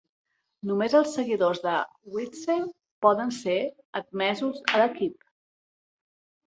Només els seguidors de Widzew poden ser admesos a l'equip.